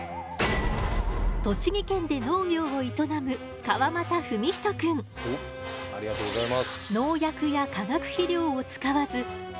栃木県で農業を営むありがとうございます。